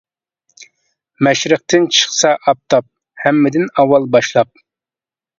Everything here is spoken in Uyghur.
مەشرىقتىن چىقسا ئاپتاپ، ھەممىدىن ئاۋۋال باشلاپ.